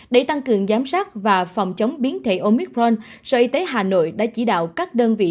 để tăng cường giám sát và phòng chống biến thể omicron sở y tế hà nội đã chỉ đạo các đơn vị